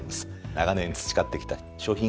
長年培ってきた商品開発力